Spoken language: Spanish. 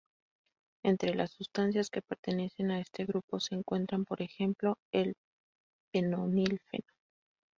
Entre las sustancias que pertenecen a este grupo se encuentran por ejemplo el p-nonilfenol.